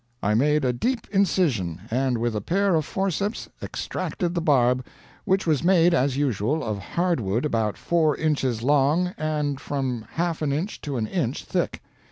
I made a deep incision, and with a pair of forceps extracted the barb, which was made, as usual, of hard wood about four inches long and from half an inch to an inch thick.